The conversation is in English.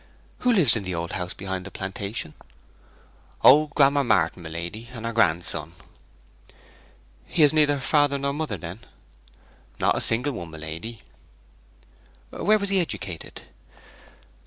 'Who lives in the old house behind the plantation?' 'Old Gammer Martin, my lady, and her grandson.' 'He has neither father nor mother, then?' 'Not a single one, my lady.' 'Where was he educated?'